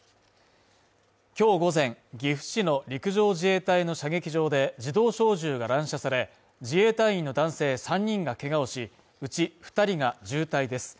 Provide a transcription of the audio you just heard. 今日午前岐阜市の陸上自衛隊の射撃場で自動小銃が乱射され、自衛隊員の男性３人がけがをし、うち２人が重体です。